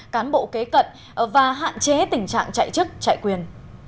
cán bộ kế cận và hạn chế tình trạng chạy chức chạy quyền